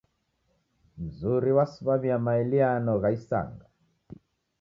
Mzuri wasimamia maeliano gha isanga.